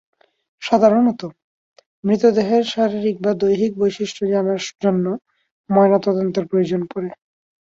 সাধারণতঃ মৃতদেহের শারীরিক বা দৈহিক বৈশিষ্ট্য জানার জন্য ময়না তদন্তের প্রয়োজন পড়ে।